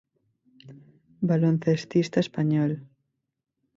Baloncestista español.